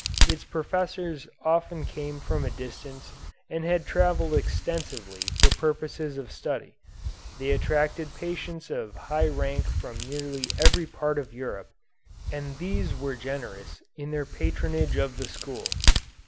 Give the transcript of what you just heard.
Its professors often came from a distance and had travelled extensively for purposes of study; they attracted patients of high rank from nearly every part of Europe, and these were generous in their patronage of the school.